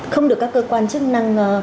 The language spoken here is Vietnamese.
không được các cơ quan chức năng